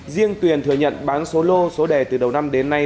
riêng tuyền thừa nhận bán số lô số đề từ đầu năm đến nay